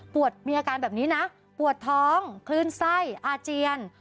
มีอาการแบบนี้นะปวดท้องคลื่นไส้อาเจียน